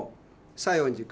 西園寺君？